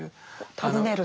尋ねると。